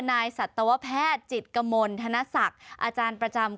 สัตวแพทย์จิตกมลธนศักดิ์อาจารย์ประจำ